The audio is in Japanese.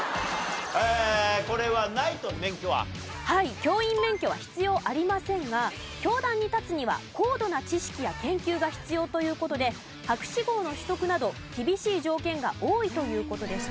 教員免許は必要ありませんが教壇に立つには高度な知識や研究が必要という事で博士号の取得など厳しい条件が多いという事でした。